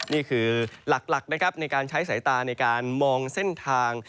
นี่คือหลักนะครับในการใช้สายตาในการมองเส้นทาง